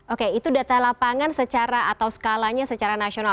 oke itu data lapangan secara atau skalanya secara nasional